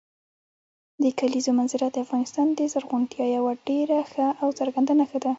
د کلیزو منظره د افغانستان د زرغونتیا یوه ډېره ښه او څرګنده نښه ده.